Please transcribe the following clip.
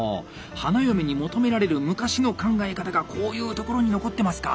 花嫁に求められる昔の考え方がこういうところに残ってますか。